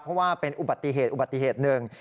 เพราะว่าเป็นอุบัติเหตุอุบัติเหตุหนึ่ง